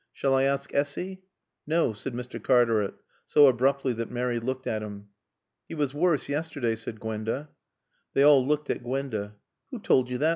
Shall I ask Essy?" "No," said Mr. Cartaret, so abruptly that Mary looked at him. "He was worse yesterday," said Gwenda. They all looked at Gwenda. "Who told you that?"